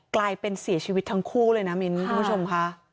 กลายเป็นเสียชีวิตทั้งคู่เลยนะมิ้นคุณผู้ชมค่ะ